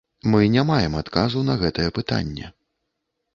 Мы не маем адказу на гэтае пытанне.